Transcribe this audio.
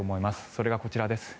それがこちらです。